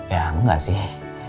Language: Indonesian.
ya enggak sih